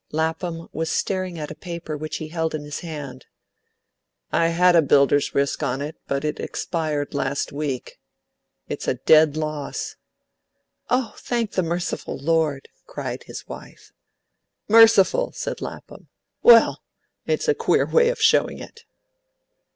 Lapham was staring at a paper which he held in his hand. "I had a builder's risk on it, but it expired last week. It's a dead loss." "Oh, thank the merciful Lord!" cried his wife. "Merciful!" said Lapham. "Well, it's a queer way of showing it."